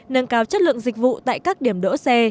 nâng cao chất lượng dịch vụ tại các điểm đỗ xe